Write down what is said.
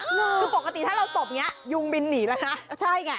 คือปกติถ้าเราตบอย่างนี้ยุงบินหนีแล้วนะใช่ไง